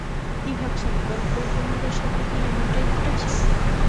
কি ভাবছেন দমকল কর্মীদের সাথে কি এমনটাই ঘটেছে?